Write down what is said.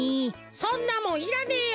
そんなもんいらねえよ。